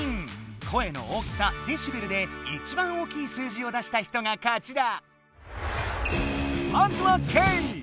声の大きさデシベルでいちばん大きい数字を出した人が勝ちだ。